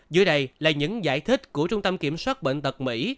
dưới đây là những giải thích của trung tâm kiểm soát bệnh tật mỹ